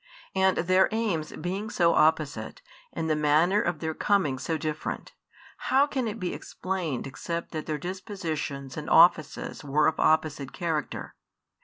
And their aims being so opposite, and the manner of their coming so different, how can it be explained except that their dispositions and offices were of opposite character?